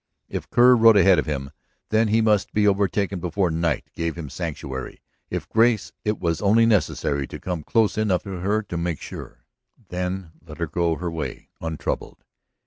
If Kerr rode ahead of him, then he must be overtaken before night gave him sanctuary; if Grace, it was only necessary to come close enough to her to make sure, then let her go her way untroubled.